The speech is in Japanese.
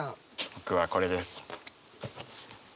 僕はこれです。